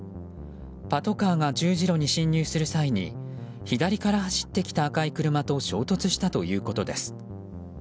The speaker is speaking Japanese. パトカーが十字路に進入する際に左から走ってきた赤い車と衝突したということです。